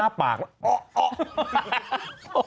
มันไม่ขนันนั้นหรอก